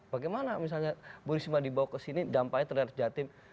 bagaimana misalnya bu risma dibawa ke sini dampaknya terhadap jatim